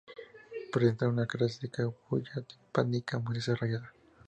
Presentan una característica bulla timpánica muy desarrollada.